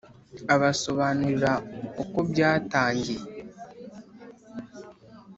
abasobanurira uko byatangiye.